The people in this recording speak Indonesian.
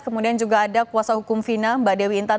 kemudian juga ada kuasa hukum fina mbak dewi intan